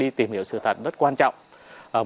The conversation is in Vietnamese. đi tìm hiểu sự của người việt nam